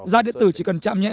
da điện tử chỉ cần chạm nhẹ